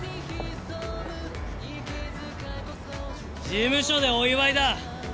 事務所でお祝いだ！